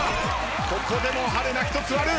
ここでも春菜１つ割る。